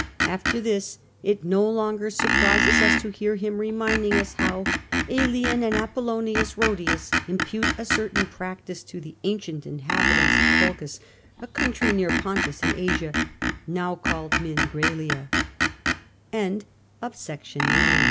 After this it no longer surprises us to hear him reminding us how " .^lian and Apollonius Khodius impute a certain practice to the ancient inhabitants of Colchis, a country near Pontiis in Asia, now